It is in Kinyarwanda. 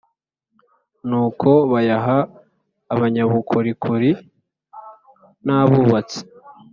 Nuko bayaha abanyabukorikori n abubatsi